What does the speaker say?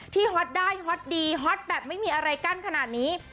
ฮอตได้ฮอตดีฮอตแบบไม่มีอะไรกั้นขนาดนี้